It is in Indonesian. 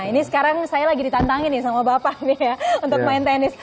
ini sekarang saya lagi ditantangin nih sama bapak nih ya untuk main tenis